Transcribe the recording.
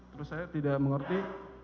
terus saya tidak mengerti